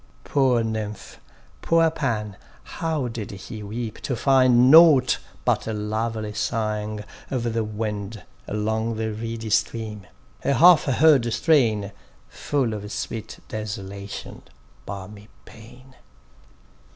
Poor Nymph,—poor Pan,—how did he weep to find Nought but a lovely sighing of the wind Along the reedy stream; a half heard strain, Full of sweet desolation—balmy pain.